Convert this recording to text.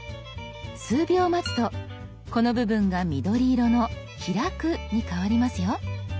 数秒待つとこの部分が緑色の「開く」に変わりますよ。